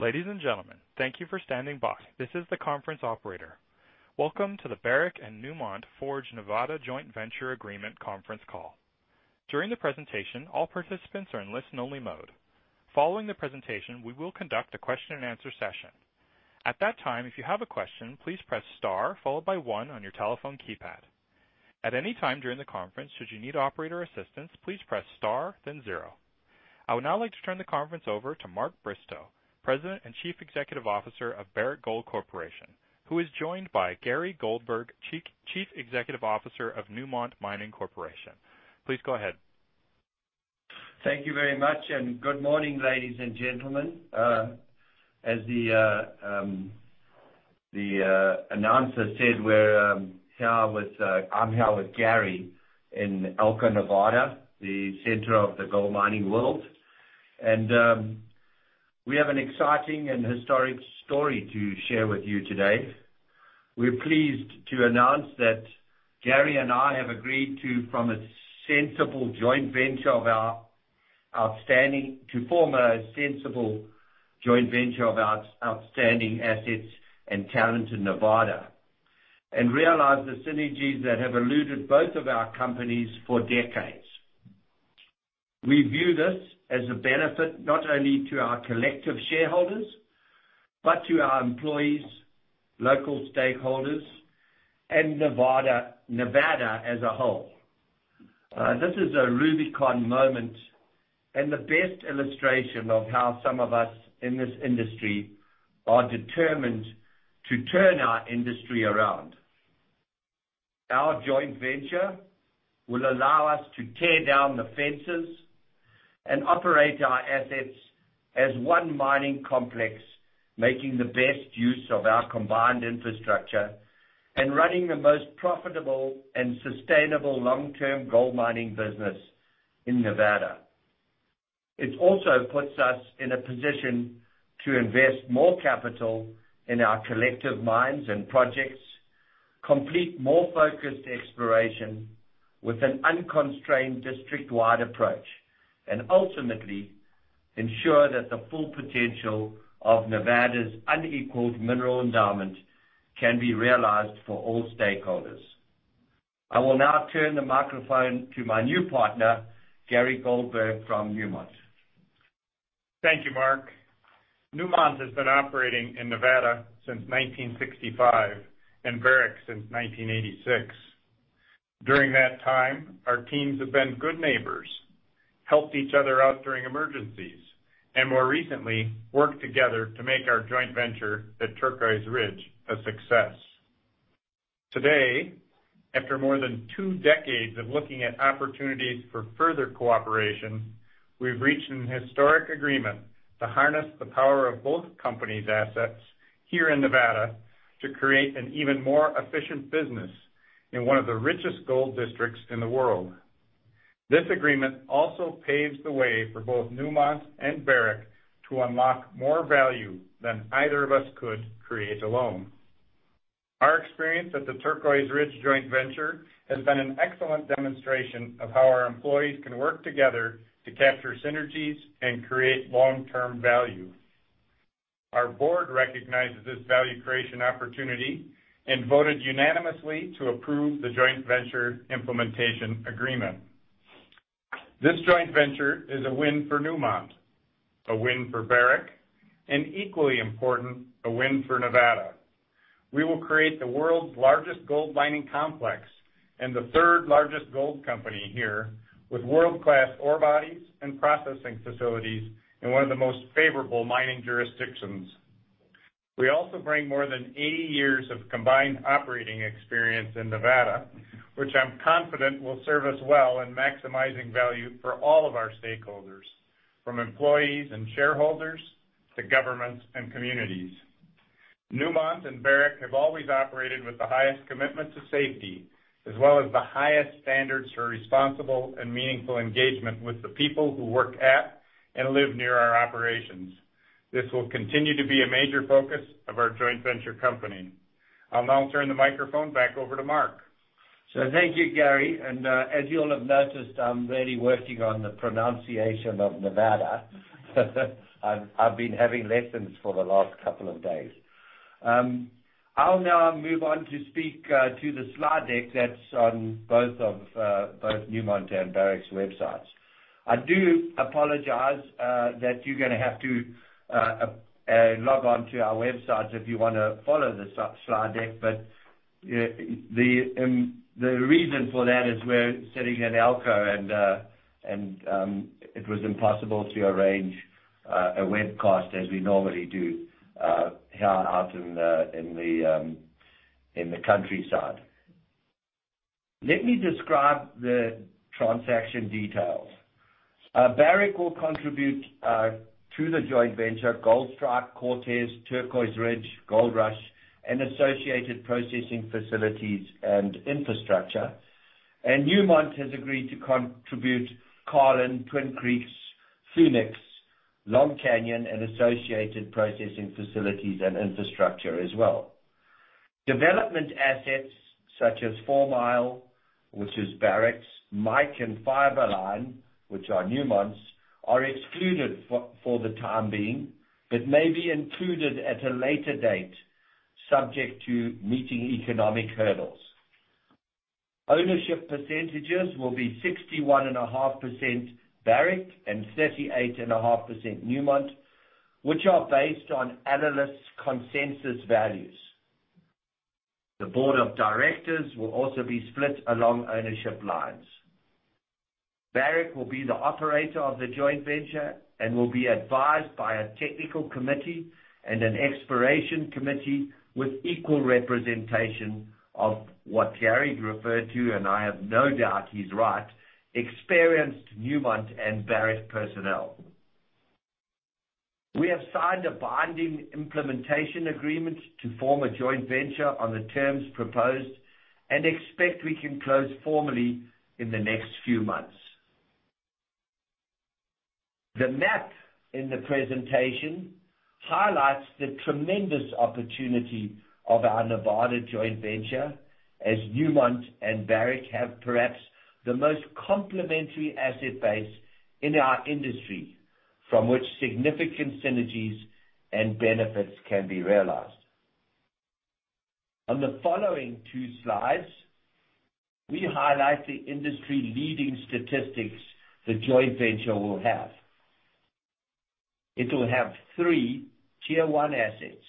Ladies and gentlemen, thank you for standing by. This is the conference operator. Welcome to the Barrick and Newmont Forge Nevada Joint Venture Agreement conference call. During the presentation, all participants are in listen only mode. Following the presentation, we will conduct a question and answer session. At that time, if you have a question, please press star followed by one on your telephone keypad. At any time during the conference, should you need operator assistance, please press star, then zero. I would now like to turn the conference over to Mark Bristow, President and Chief Executive Officer of Barrick Gold Corporation, who is joined by Gary Goldberg, Chief Executive Officer of Newmont Mining Corporation. Please go ahead. Thank you very much. Good morning, ladies and gentlemen. As the announcer said, I'm here with Gary in Elko, Nevada, the center of the gold mining world, and we have an exciting and historic story to share with you today. We're pleased to announce that Gary and I have agreed to form a sensible joint venture of our outstanding assets and talent in Nevada and realize the synergies that have eluded both of our companies for decades. We view this as a benefit not only to our collective shareholders, but to our employees, local stakeholders, and Nevada as a whole. This is a Rubicon moment and the best illustration of how some of us in this industry are determined to turn our industry around. Our joint venture will allow us to tear down the fences and operate our assets as one mining complex, making the best use of our combined infrastructure and running the most profitable and sustainable long-term gold mining business in Nevada. It also puts us in a position to invest more capital in our collective mines and projects, complete more focused exploration with an unconstrained district-wide approach, and ultimately ensure that the full potential of Nevada's unequaled mineral endowment can be realized for all stakeholders. I will now turn the microphone to my new partner, Gary Goldberg from Newmont. Thank you, Mark. Newmont has been operating in Nevada since 1965 and Barrick since 1986. During that time, our teams have been good neighbors, helped each other out during emergencies, and more recently, worked together to make our joint venture at Turquoise Ridge a success. Today, after more than 2 decades of looking at opportunities for further cooperation, we've reached an historic agreement to harness the power of both companies' assets here in Nevada to create an even more efficient business in one of the richest gold districts in the world. This agreement also paves the way for both Newmont and Barrick to unlock more value than either of us could create alone. Our experience at the Turquoise Ridge joint venture has been an excellent demonstration of how our employees can work together to capture synergies and create long-term value. Our board recognizes this value creation opportunity and voted unanimously to approve the joint venture implementation agreement. This joint venture is a win for Newmont, a win for Barrick, and equally important, a win for Nevada. We will create the world's largest gold mining complex and the third largest gold company here, with world-class ore bodies and processing facilities in one of the most favorable mining jurisdictions. We also bring more than 80 years of combined operating experience in Nevada, which I'm confident will serve us well in maximizing value for all of our stakeholders, from employees and shareholders to governments and communities. Newmont and Barrick have always operated with the highest commitment to safety, as well as the highest standards for responsible and meaningful engagement with the people who work at and live near our operations. This will continue to be a major focus of our joint venture company. I'll now turn the microphone back over to Mark. Thank you, Gary. As you all have noticed, I'm really working on the pronunciation of Nevada. I've been having lessons for the last couple of days. I'll now move on to speak to the slide deck that's on both Newmont and Barrick's websites. I do apologize that you're going to have to log on to our websites if you want to follow the slide deck. The reason for that is we're sitting in Elko, and it was impossible to arrange a webcast as we normally do out in the countryside. Let me describe the transaction details. Barrick will contribute to the joint venture, Goldstrike, Cortez, Turquoise Ridge, Goldrush, and associated processing facilities and infrastructure. Newmont has agreed to contribute Carlin, Twin Creeks, Phoenix, Long Canyon, and associated processing facilities and infrastructure as well. Development assets such as Fourmile, which is Barrick's, Mike and Fiberline, which are Newmont's, are excluded for the time being, but may be included at a later date, subject to meeting economic hurdles. Ownership percentages will be 61.5% Barrick and 38.5% Newmont, which are based on analyst consensus values. The board of directors will also be split along ownership lines. Barrick will be the operator of the joint venture and will be advised by a technical committee and an exploration committee with equal representation of what Gary referred to, and I have no doubt he's right, experienced Newmont and Barrick personnel. We have signed a binding implementation agreement to form a joint venture on the terms proposed and expect we can close formally in the next few months. The map in the presentation highlights the tremendous opportunity of our Nevada joint venture, as Newmont and Barrick have perhaps the most complementary asset base in our industry, from which significant synergies and benefits can be realized. On the following two slides, we highlight the industry-leading statistics the joint venture will have. It will have 3 Tier 1 assets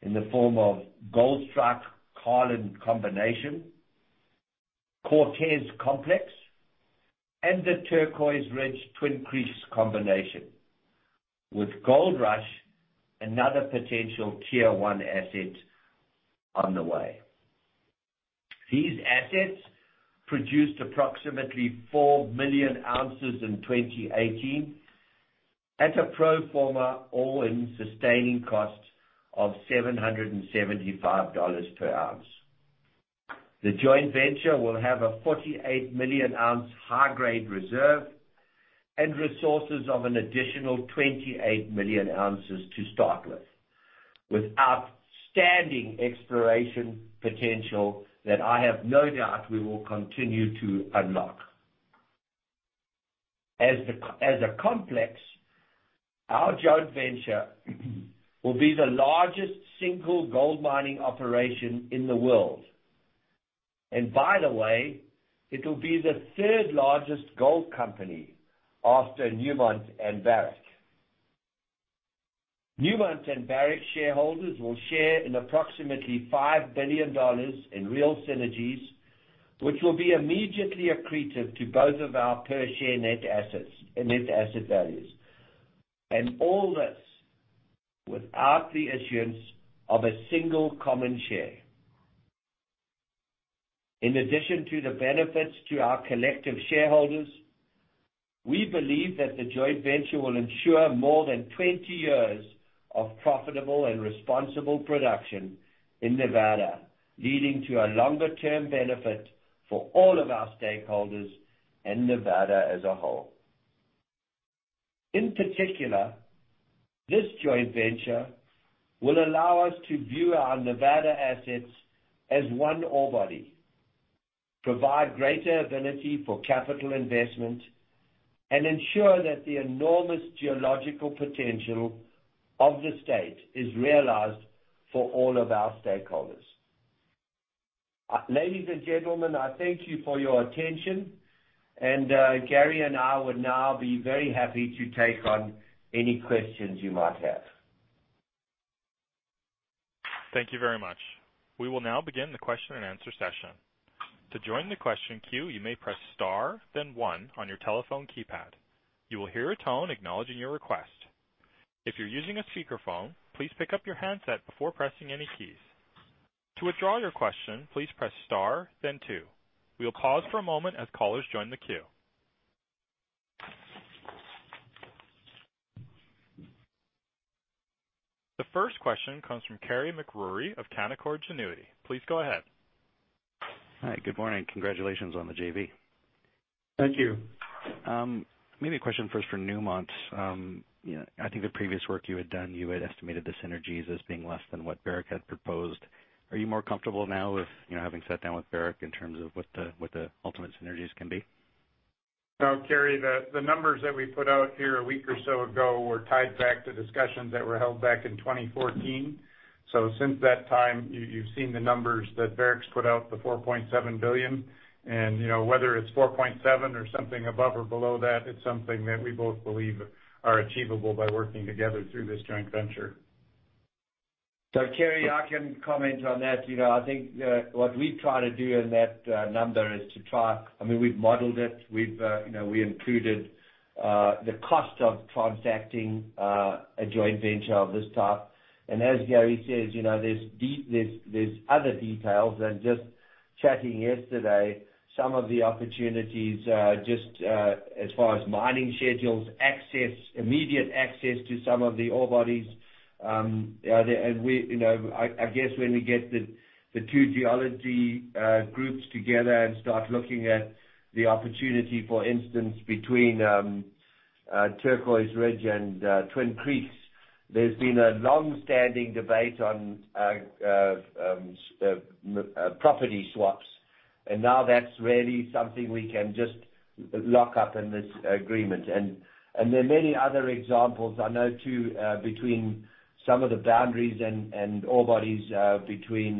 in the form of Goldstrike-Carlin combination, Cortez Complex, and the Turquoise Ridge-Twin Creeks combination, with Goldrush, another potential Tier 1 asset on the way. These assets produced approximately 4 million ounces in 2018, at a pro forma all-in sustaining cost of $775 per ounce. The joint venture will have a 48 million ounce high-grade reserve and resources of an additional 28 million ounces to start with outstanding exploration potential that I have no doubt we will continue to unlock. As a complex, our joint venture will be the largest single gold mining operation in the world. By the way, it will be the third largest gold company after Newmont and Barrick. Newmont and Barrick shareholders will share in approximately $5 billion in real synergies, which will be immediately accretive to both of our per share net asset values. All this without the issuance of a single common share. In addition to the benefits to our collective shareholders, we believe that the joint venture will ensure more than 20 years of profitable and responsible production in Nevada, leading to a longer-term benefit for all of our stakeholders and Nevada as a whole. In particular, this joint venture will allow us to view our Nevada assets as one ore body, provide greater ability for capital investment, and ensure that the enormous geological potential of the state is realized for all of our stakeholders. Ladies and gentlemen, I thank you for your attention. Gary and I would now be very happy to take on any questions you might have. Thank you very much. We will now begin the question-and-answer session. To join the question queue, you may press star, then one on your telephone keypad. You will hear a tone acknowledging your request. If you are using a speakerphone, please pick up your handset before pressing any keys. To withdraw your question, please press star, then two. We will pause for a moment as callers join the queue. The first question comes from Carey MacRury of Canaccord Genuity. Please go ahead. Hi, good morning. Congratulations on the JV. Thank you. Maybe a question first for Newmont. I think the previous work you had done, you had estimated the synergies as being less than what Barrick had proposed. Are you more comfortable now with having sat down with Barrick in terms of what the ultimate synergies can be? No, Carey, the numbers that we put out here a week or so ago were tied back to discussions that were held back in 2014. Since that time, you've seen the numbers that Barrick's put out, the $4.7 billion. Whether it's 4.7 bilion or something above or below that, it's something that we both believe are achievable by working together through this joint venture. Carey, I can comment on that. I think what we try to do in that number is We've modeled it. We included the cost of transacting a joint venture of this type. As Gary says, there's other details than just chatting yesterday, some of the opportunities, just as far as mining schedules, immediate access to some of the ore bodies. I guess when we get the two geology groups together and start looking at the opportunity, for instance, between Turquoise Ridge and Twin Creeks, there's been a longstanding debate on property swaps, and now that's really something we can just lock up in this agreement. There are many other examples I know too between some of the boundaries and ore bodies between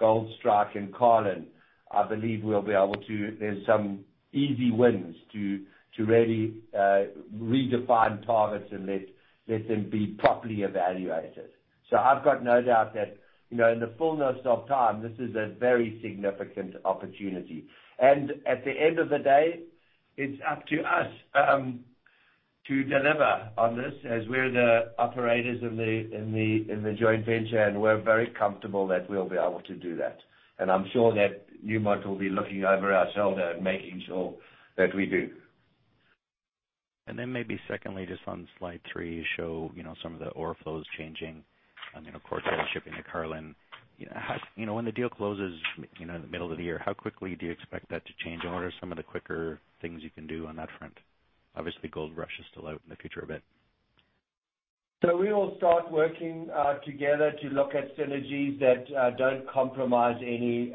Goldstrike and Carlin. I believe there's some easy wins to really redefine targets and let them be properly evaluated. I've got no doubt that in the fullness of time, this is a very significant opportunity. At the end of the day, it's up to us to deliver on this as we're the operators in the joint venture, we're very comfortable that we'll be able to do that. I'm sure that Newmont will be looking over our shoulder and making sure that we do. Maybe secondly, just on slide three, you show some of the ore flows changing, Cortez shipping to Carlin. When the deal closes in the middle of the year, how quickly do you expect that to change, and what are some of the quicker things you can do on that front? Obviously, Goldrush is still out in the future a bit. We will start working together to look at synergies that don't compromise any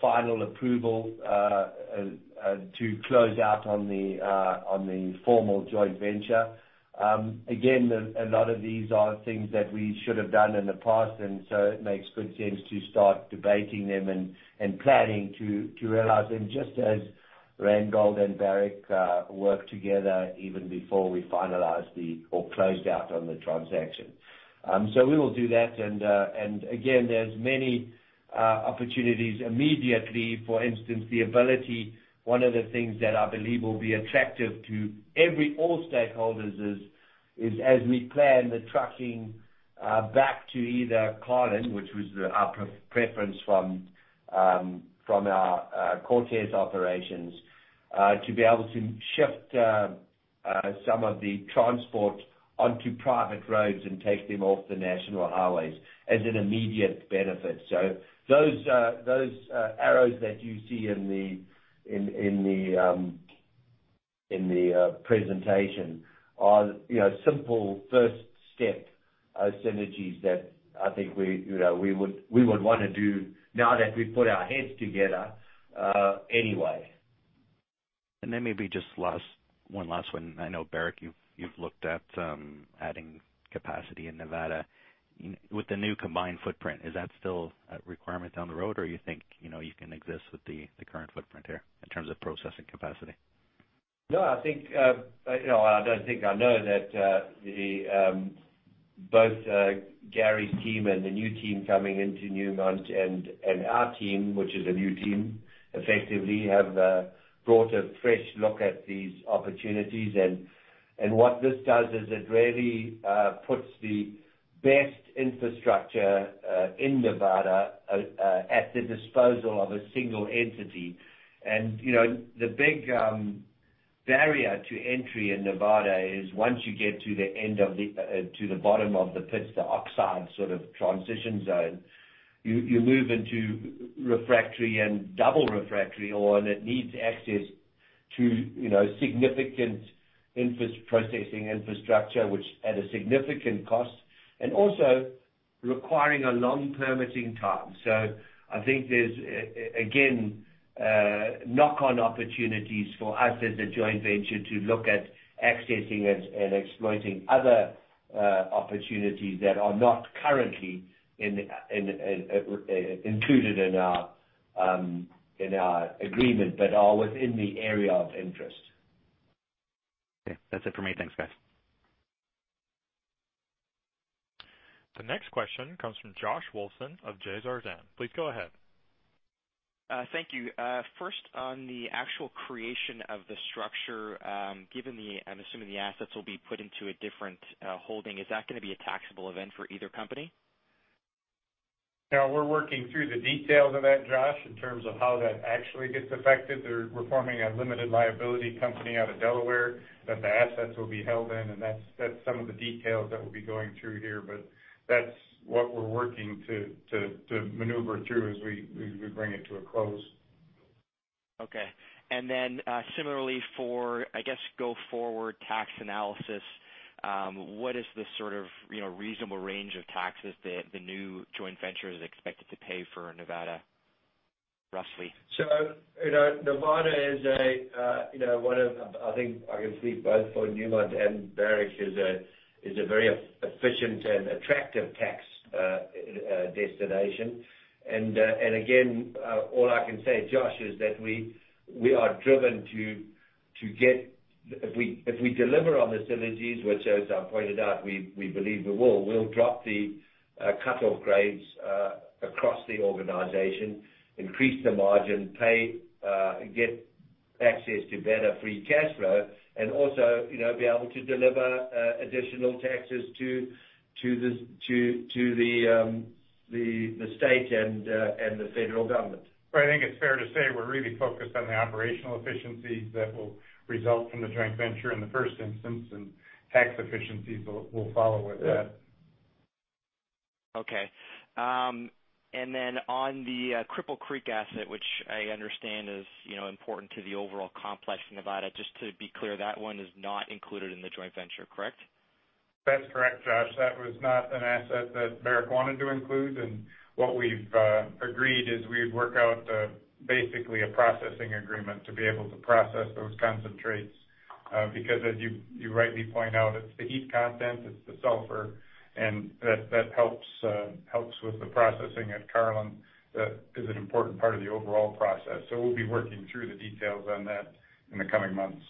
final approval to close out on the formal joint venture. Again, a lot of these are things that we should have done in the past, it makes good sense to start debating them and planning to realize them, just as Randgold and Barrick worked together even before we finalized or closed out on the transaction. We will do that, again, there's many opportunities immediately. For instance, the ability, one of the things that I believe will be attractive to all stakeholders is as we plan the trucking back to either Carlin, which was our preference from our Cortez operations, to be able to shift some of the transport onto private roads and take them off the national highways as an immediate benefit. those arrows that you see in the presentation are simple first-step synergies that I think we would want to do now that we've put our heads together anyway. Maybe just one last one. I know, Barrick, you've looked at adding capacity in Nevada. With the new combined footprint, is that still a requirement down the road, or you think you can exist with the current footprint here in terms of processing capacity? No, I don't think I know that both Gary's team and the new team coming into Newmont and our team, which is a new team, effectively have brought a fresh look at these opportunities. What this does is it really puts the best infrastructure in Nevada at the disposal of a single entity. The big barrier to entry in Nevada is once you get to the bottom of the pits, the oxide sort of transition zone, you move into refractory and double refractory ore, and it needs access to significant processing infrastructure, which at a significant cost, and also requiring a long permitting time. I think there's, again, knock-on opportunities for us as a joint venture to look at accessing and exploiting other opportunities that are not currently included in our agreement but are within the area of interest. Okay. That's it for me. Thanks, guys. The next question comes from Josh Wolfson of Desjardins. Please go ahead. Thank you. First, on the actual creation of the structure, I'm assuming the assets will be put into a different holding. Is that going to be a taxable event for either company? No, we're working through the details of that, Josh, in terms of how that actually gets affected. They're forming a limited liability company out of Delaware that the assets will be held in, and that's some of the details that we'll be going through here. That's what we're working to maneuver through as we bring it to a close. Okay. Similarly for, I guess, go forward tax analysis, what is the sort of reasonable range of taxes that the new joint venture is expected to pay for Nevada, roughly? Nevada is one of, I think I can speak both for Newmont and Barrick, is a very efficient and attractive tax destination. All I can say, Josh, is that we are driven to get If we deliver on the synergies, which as I pointed out, we believe we will, we'll drop the cut-off grades across the organization, increase the margin, get access to better free cash flow, and also be able to deliver additional taxes to the state and the federal government. I think it's fair to say we're really focused on the operational efficiencies that will result from the joint venture in the first instance, and tax efficiencies will follow with that. On the Cripple Creek asset, which I understand is important to the overall complex in Nevada, just to be clear, that one is not included in the joint venture, correct? That's correct, Josh. That was not an asset that Barrick wanted to include, and what we've agreed is we'd work out basically a processing agreement to be able to process those concentrates because, as you rightly point out, it's the heat content, it's the sulfur, and that helps with the processing at Carlin. That is an important part of the overall process. We'll be working through the details on that in the coming months.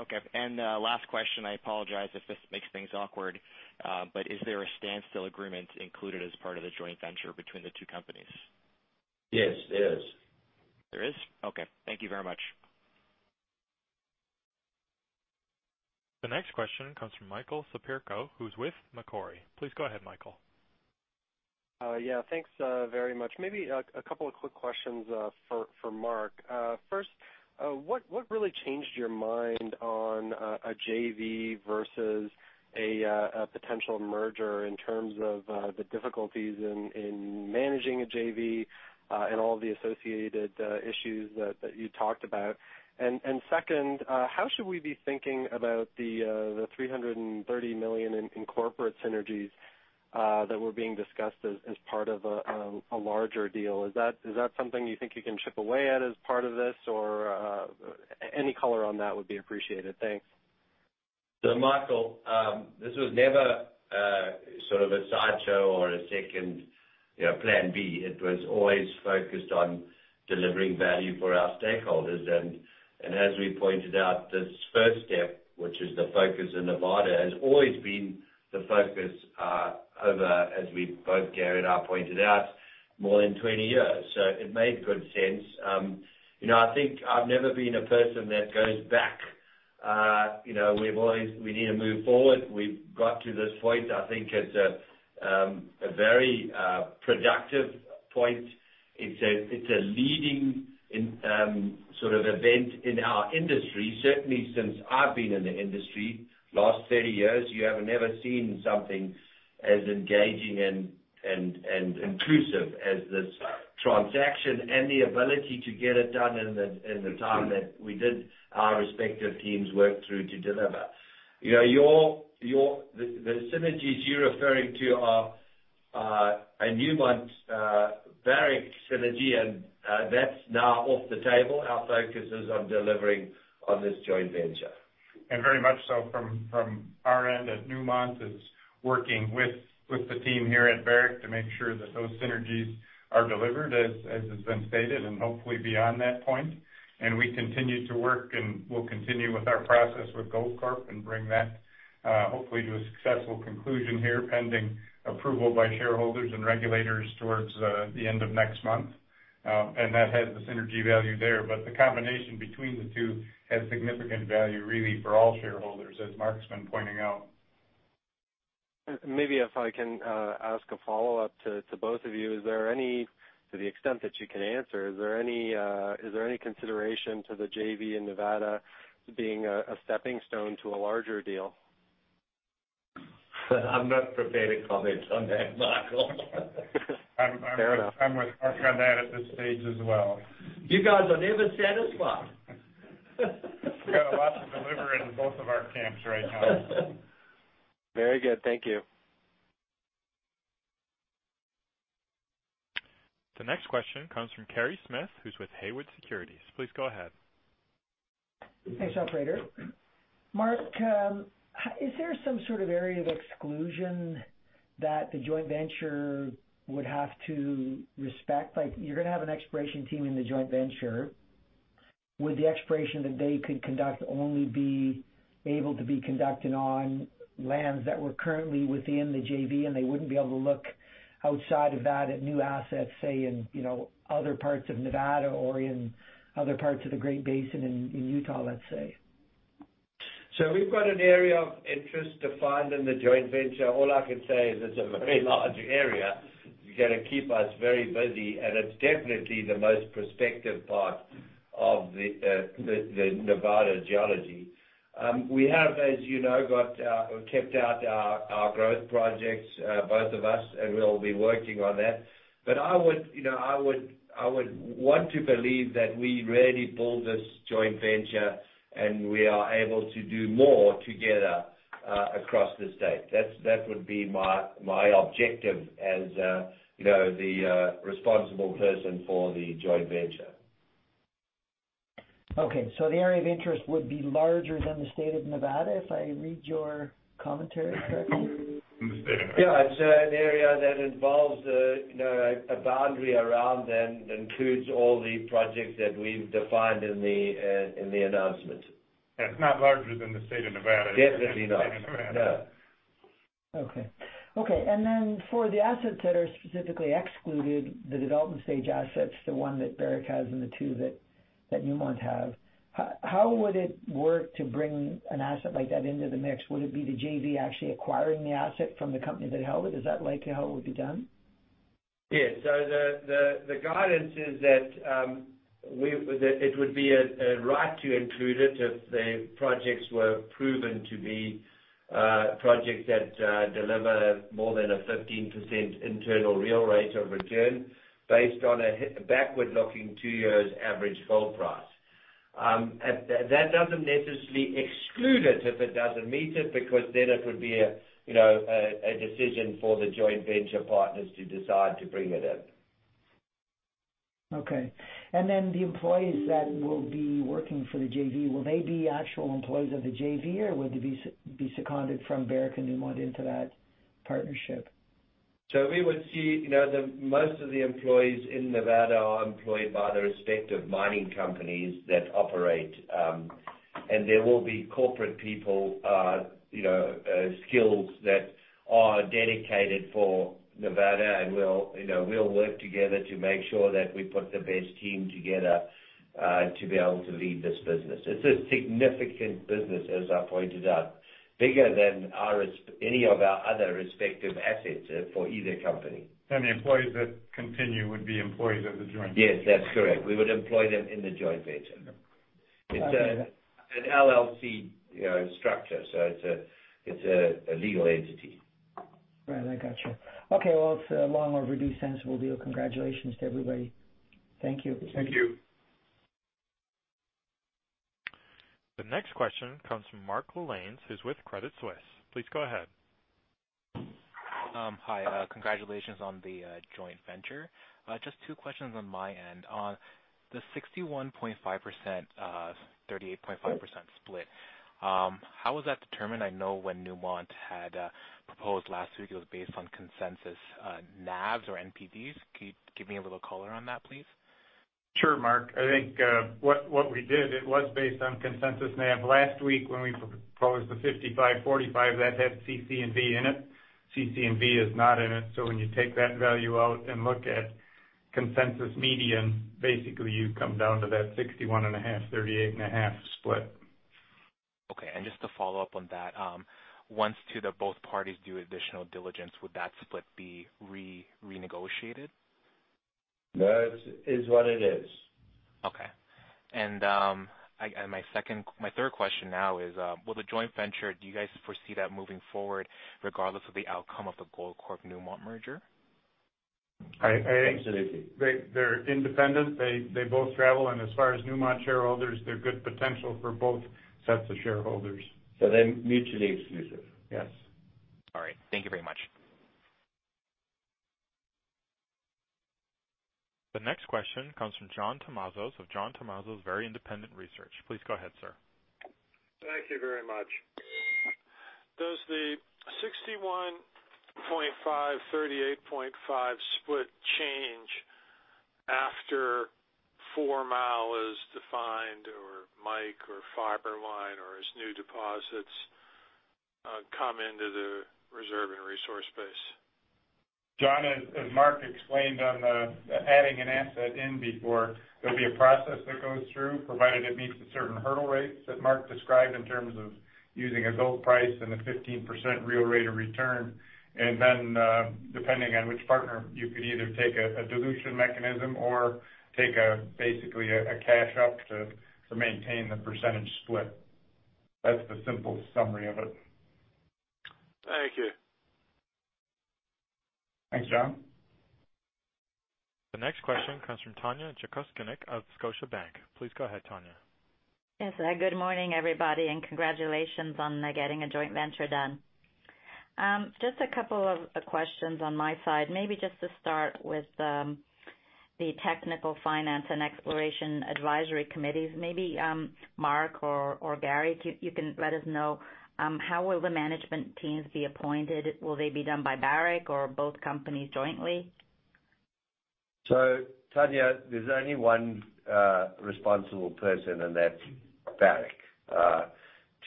Okay. Last question, I apologize if this makes things awkward, but is there a standstill agreement included as part of the joint venture between the two companies? Yes, there is. There is? Okay. Thank you very much. The next question comes from Michael Sapieco who's with Macquarie. Please go ahead, Michael. Yeah. Thanks very much. Maybe a couple of quick questions for Mark. First, what really changed your mind on a JV versus a potential merger in terms of the difficulties in managing a JV and all the associated issues that you talked about? Second, how should we be thinking about the $330 million in corporate synergies that were being discussed as part of a larger deal? Is that something you think you can chip away at as part of this, or any color on that would be appreciated. Thanks. Michael, this was never sort of a sideshow or a second plan B. It was always focused on delivering value for our stakeholders. As we pointed out, this first step, which is the focus in Nevada, has always been the focus over, as we both, Gary and I, pointed out, more than 20 years. It made good sense. I think I've never been a person that goes back. We need to move forward. We've got to this point, I think it's a very productive point. It's a leading sort of event in our industry. Certainly since I've been in the industry, last 30 years, you have never seen something as engaging and inclusive as this transaction and the ability to get it done in the time that we did, our respective teams worked through to deliver. The synergies you're referring to are a Newmont-Barrick synergy, and that's now off the table. Our focus is on delivering on this joint venture. Very much so from our end at Newmont is working with the team here at Barrick to make sure that those synergies are delivered, as has been stated, and hopefully beyond that point. We continue to work, and we'll continue with our process with Goldcorp and bring that hopefully to a successful conclusion here, pending approval by shareholders and regulators towards the end of next month. That has the synergy value there. The combination between the two has significant value, really, for all shareholders, as Mark's been pointing out. Maybe if I can ask a follow-up to both of you. To the extent that you can answer, is there any consideration to the JV in Nevada being a steppingstone to a larger deal? I'm not prepared to comment on that, Michael. Fair enough. I'm with Mark on that at this stage as well. You guys are never satisfied. We've got a lot to deliver in both of our camps right now. Very good. Thank you. The next question comes from Carey Smith, who's with Haywood Securities. Please go ahead. Thanks, operator. Mark, is there some sort of area of exclusion that the joint venture would have to respect? You're going to have an exploration team in the joint venture. Would the exploration that they could conduct only be able to be conducted on lands that were currently within the JV, and they wouldn't be able to look outside of that at new assets, say, in other parts of Nevada or in other parts of the Great Basin in Utah, let's say? We've got an area of interest defined in the joint venture. All I can say is it's a very large area. It's going to keep us very busy, and it's definitely the most prospective part of the Nevada geology. We have, as you know, kept out our growth projects, both of us, and we'll be working on that. I would want to believe that we really build this joint venture, and we are able to do more together across the state. That would be my objective as the responsible person for the joint venture. Okay. The area of interest would be larger than the state of Nevada, if I read your commentary correctly? Than the State of Nevada. Yeah, it's an area that involves a boundary around and includes all the projects that we've defined in the announcement. It's not larger than the state of Nevada. Definitely not. No. Okay. For the assets that are specifically excluded, the development stage assets, the one that Barrick has and the two that Newmont have, how would it work to bring an asset like that into the mix? Would it be the JV actually acquiring the asset from the company that held it? Is that likely how it would be done? Yes. The guidance is that it would be a right to include it if the projects were proven to be projects that deliver more than a 15% internal real rate of return based on a backward-looking two years average gold price. That doesn't necessarily exclude it if it doesn't meet it, because it would be a decision for the joint venture partners to decide to bring it in. Okay. The employees that will be working for the JV, will they be actual employees of the JV, or would they be seconded from Barrick and Newmont into that partnership? We would see, most of the employees in Nevada are employed by the respective mining companies that operate. There will be corporate people skills that are dedicated for Nevada, and we'll work together to make sure that we put the best team together, to be able to lead this business. It's a significant business, as I pointed out, bigger than any of our other respective assets for either company. The employees that continue would be employees of the joint venture. Yes, that's correct. We would employ them in the joint venture. Okay. It's an LLC structure. It's a legal entity. Right. I got you. Okay, well, it's a long overdue sensible deal. Congratulations to everybody. Thank you. Thank you. The next question comes from Fahad Tariq, who's with Credit Suisse. Please go ahead. Hi. Congratulations on the joint venture. Just two questions on my end. On the 61.5%, 38.5% split, how was that determined? I know when Newmont had proposed last week, it was based on consensus NAVs or NPVs. Can you give me a little color on that, please? Sure, Mark. I think what we did, it was based on consensus NAV. Last week, when we proposed the 55/45, that had CC&V in it. CC&V is not in it. When you take that value out and look at consensus median, basically you come down to that 61.5%, 38.5% split. Okay. Just to follow up on that, once to the both parties do additional diligence, would that split be renegotiated? It is what it is. Okay. My third question now is, will the joint venture, do you guys foresee that moving forward regardless of the outcome of the Goldcorp-Newmont merger? Absolutely. They're independent. They both travel. As far as Newmont shareholders, they're good potential for both sets of shareholders. They're mutually exclusive. Yes. All right. Thank you very much. The next question comes from John Tumazos of John Tumazos Very Independent Research. Please go ahead, sir. Thank you very much. Does the 61.5/38.5 split change after Fourmile is defined, or Mike, or Fiberline, or as new deposits come into the reserve and resource base? John, as Mark explained on the adding an asset in before, there'll be a process that goes through, provided it meets the certain hurdle rates that Mark described in terms of using a gold price and a 15% real rate of return. Then, depending on which partner, you could either take a dilution mechanism or take basically a cash up to maintain the percentage split. That's the simple summary of it. Thank you. Thanks, John. The next question comes from Tanya Jakusconek of Scotiabank. Please go ahead, Tanya. Yes. Good morning, everybody. Congratulations on getting a joint venture done. Just a couple of questions on my side, maybe just to start with the technical finance and exploration advisory committees. Maybe, Mark or Gary, you can let us know, how will the management teams be appointed? Will they be done by Barrick or both companies jointly? Tanya, there's only one responsible person, and that's Barrick,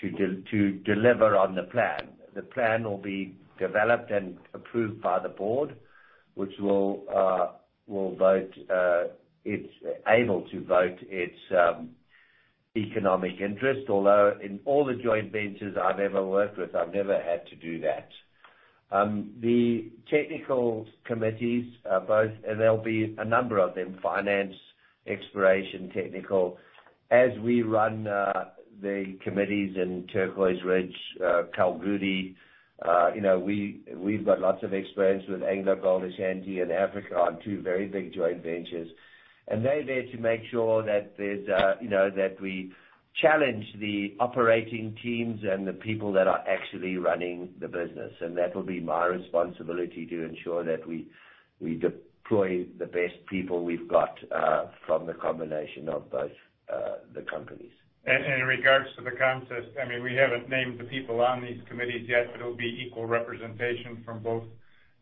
to deliver on the plan. The plan will be developed and approved by the board, which will vote its able to vote its economic interest. Although in all the joint ventures I've ever worked with, I've never had to do that. The technical committees are both, and there'll be a number of them, finance, exploration, technical. As we run the committees in Turquoise Ridge, Kibali, we've got lots of experience with AngloGold Ashanti in Africa on two very big joint ventures. They're there to make sure that we challenge the operating teams and the people that are actually running the business. That will be my responsibility to ensure that we deploy the best people we've got from the combination of both the companies. In regards to the contest, we haven't named the people on these committees yet, but it'll be equal representation from both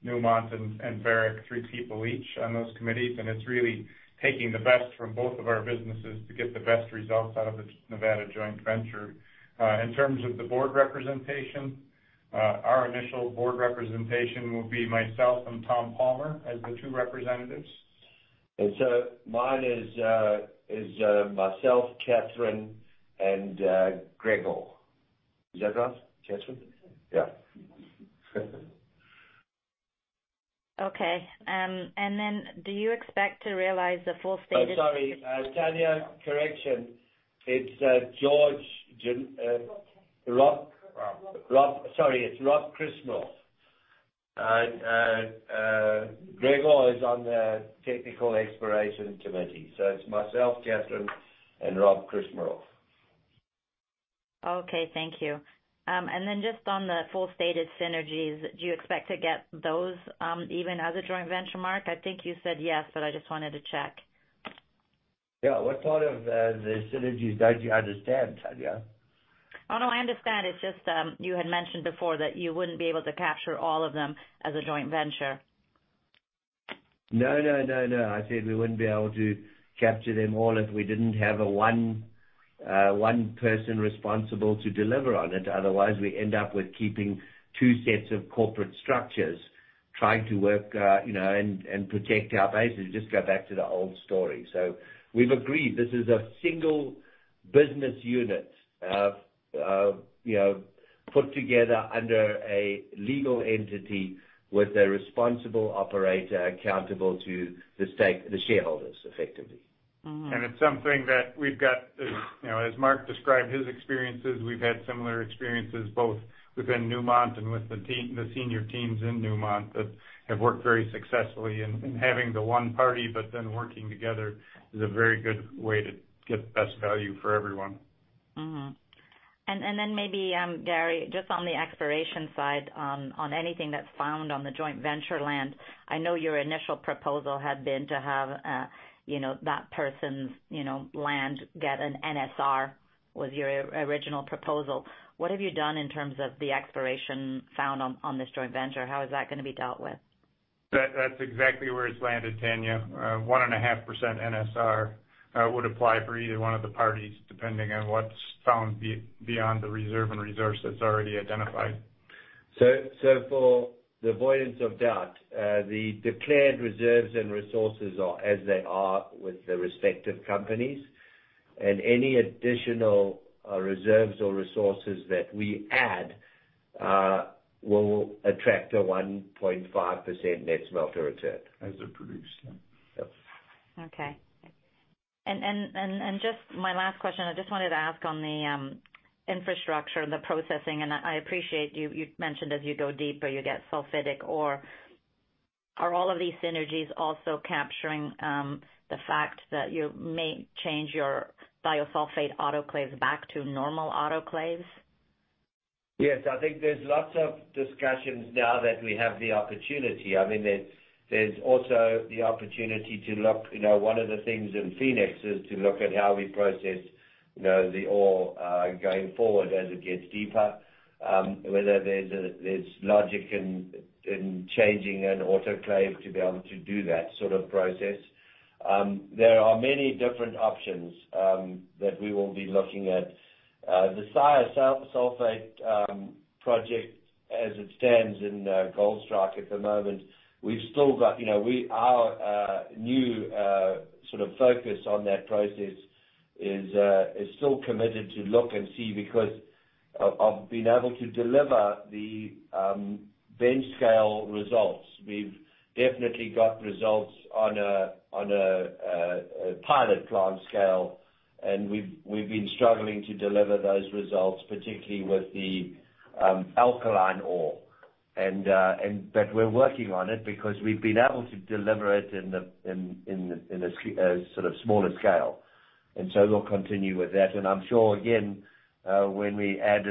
Newmont and Barrick, three people each on those committees, and it's really taking the best from both of our businesses to get the best results out of this Nevada joint venture. In terms of the board representation, our initial board representation will be myself and Tom Palmer as the two representatives. Mine is myself, Catherine, and Gregor. Is that right, Catherine? Yeah. Okay. Then do you expect to realize the full status- Oh, sorry. Tanya, correction. It's George Bee. Rock. Rock. Rock. Sorry, it's Rob Krcmarov. Gregor is on the technical exploration committee. It's myself, Catherine, and Rob Krcmarov. Okay, thank you. Just on the full stated synergies, do you expect to get those, even as a joint venture, Mark? I think you said yes, I just wanted to check. Yeah. What part of the synergies don't you understand, Tanya? Oh, no, I understand. It is just, you had mentioned before that you wouldn't be able to capture all of them as a joint venture. No. I said we wouldn't be able to capture them all if we didn't have one person responsible to deliver on it. Otherwise, we end up with keeping two sets of corporate structures, trying to work and protect our bases. Just go back to the old story. We've agreed this is a single business unit, put together under a legal entity with a responsible operator accountable to the stakeholders, effectively. It is something that we've got. As Mark described his experiences, we've had similar experiences, both within Newmont and with the senior teams in Newmont that have worked very successfully in having the one party, but then working together is a very good way to get the best value for everyone. Mm-hmm. Then maybe, Gary, just on the exploration side, on anything that's found on the joint venture land, I know your initial proposal had been to have that person's land get an NSR, was your original proposal. What have you done in terms of the exploration found on this joint venture? How is that gonna be dealt with? That's exactly where it's landed, Tanya. 1.5% NSR would apply for either one of the parties, depending on what's found beyond the reserve and resource that's already identified. For the avoidance of doubt, the declared reserves and resources are as they are with the respective companies, and any additional reserves or resources that we add will attract a 1.5% net smelter return. As they're produced, yeah. Yep. Okay. Just my last question, I just wanted to ask on the infrastructure and the processing, and I appreciate you mentioned as you go deeper, you get sulfidic ore. Are all of these synergies also capturing the fact that you may change your bio-sulfide autoclaves back to normal autoclaves? Yes, I think there's lots of discussions now that we have the opportunity. There's also the opportunity to look, one of the things in Phoenix is to look at how we process the ore, going forward as it gets deeper. Whether there's logic in changing an autoclave to be able to do that sort of process. There are many different options that we will be looking at. The bio-sulfide project as it stands in Goldstrike at the moment, our new sort of focus on that process is still committed to look and see because of being able to deliver the bench scale results. We've definitely got results on a pilot plant scale, and we've been struggling to deliver those results, particularly with the alkaline ore. We're working on it because we've been able to deliver it in a sort of smaller scale. We'll continue with that. I'm sure, again, when we add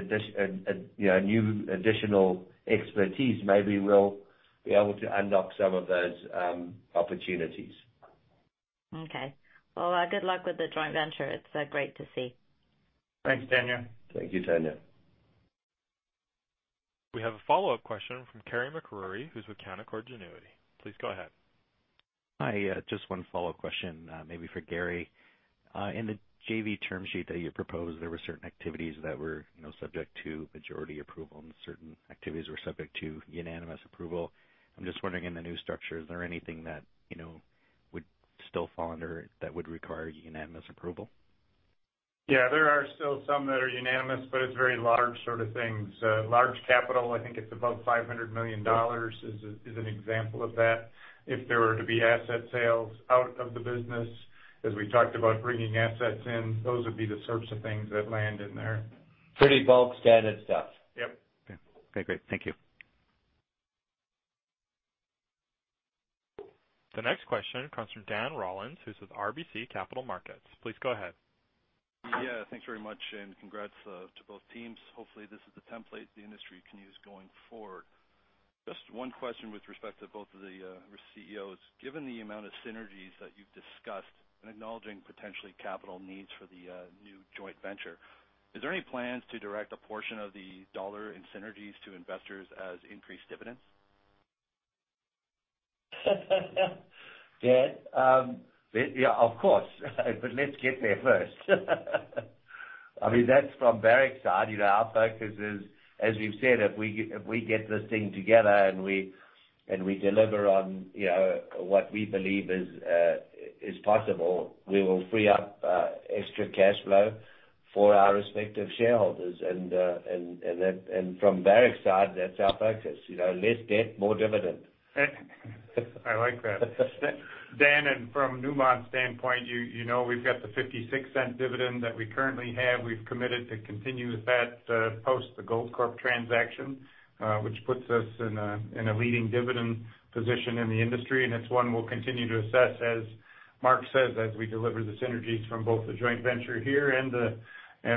new additional expertise, maybe we'll be able to unlock some of those opportunities. Okay. Well, good luck with the joint venture. It's great to see. Thanks, Tanya. Thank you, Tanya. We have a follow-up question from Carey MacRury who's with Canaccord Genuity. Please go ahead. Hi. Just one follow-up question, maybe for Gary. In the JV term sheet that you proposed, there were certain activities that were subject to majority approval, and certain activities were subject to unanimous approval. I'm just wondering, in the new structure, is there anything that would still fall under that would require unanimous approval? Yeah, there are still some that are unanimous, but it's very large sort of things. Large capital, I think it's above $500 million is an example of that. If there were to be asset sales out of the business, as we talked about bringing assets in, those would be the sorts of things that land in there. Pretty bulk standard stuff. Yep. Okay, great. Thank you. The next question comes from Dan Rollins, who's with RBC Capital Markets. Please go ahead. Yeah, thanks very much. Congrats to both teams. Hopefully this is the template the industry can use going forward. Just one question with respect to both of the CEOs. Given the amount of synergies that you've discussed and acknowledging potentially capital needs for the new joint venture, is there any plans to direct a portion of the $ in synergies to investors as increased dividends? Dan, yeah, of course. Let's get there first. That's from Barrick's side. Our focus is, as we've said, if we get this thing together and we deliver on what we believe is possible. We will free up extra cash flow for our respective shareholders. From Barrick's side, that's our focus. Less debt, more dividend. I like that. Dan, from Newmont's standpoint, you know we've got the $0.56 dividend that we currently have. We've committed to continue with that post the Goldcorp transaction, which puts us in a leading dividend position in the industry, and it's one we'll continue to assess, as Mark says, as we deliver the synergies from both the joint venture here and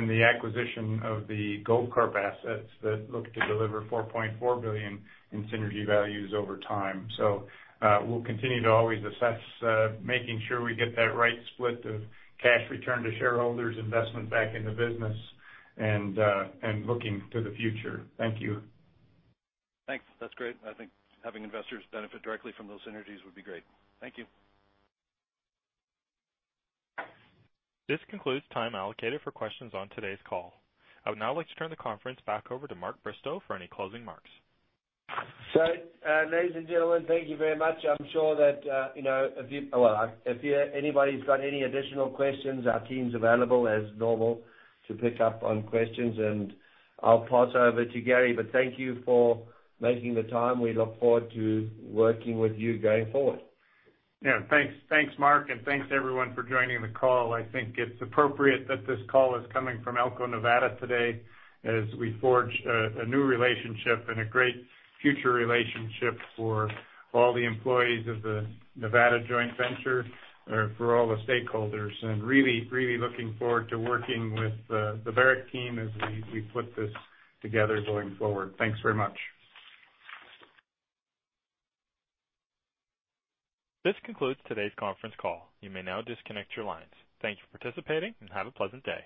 the acquisition of the Goldcorp assets that look to deliver $4.4 billion in synergy values over time. We'll continue to always assess, making sure we get that right split of cash return to shareholders, investment back in the business, and looking to the future. Thank you. Thanks. That's great. I think having investors benefit directly from those synergies would be great. Thank you. This concludes time allocated for questions on today's call. I would now like to turn the conference back over to Mark Bristow for any closing remarks. ladies and gentlemen, thank you very much. I'm sure that if anybody's got any additional questions, our team's available as normal to pick up on questions, and I'll pass over to Gary. Thank you for making the time. We look forward to working with you going forward. thanks Mark, and thanks everyone for joining the call. I think it's appropriate that this call is coming from Elko, Nevada today as we forge a new relationship and a great future relationship for all the employees of the Nevada joint venture or for all the stakeholders. Really looking forward to working with the Barrick team as we put this together going forward. Thanks very much. This concludes today's conference call. You may now disconnect your lines. Thank you for participating, and have a pleasant day.